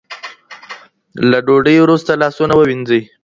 له ډوډۍ وروسته لاسونه ووینځئ.